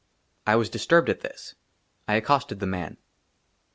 I WAS DISTURBED AT THIS ; I ACCOSTED THE MAN.